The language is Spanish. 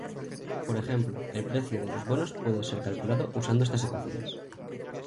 Por ejemplo, el precio de los bonos puede ser calculado usando estas ecuaciones.